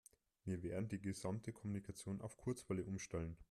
Wir werden die gesamte Kommunikation auf Kurzwelle umstellen.